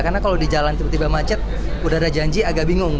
karena kalau di jalan tiba tiba macet sudah ada janji agak bingung